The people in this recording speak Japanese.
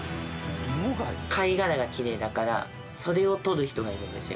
貝殻がキレイだからそれを取る人がいるんですよ